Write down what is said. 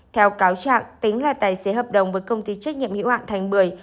theo cáo trạng tính là tài xế hợp đồng với công ty trách nhiệm hiệu ạn thành bưởi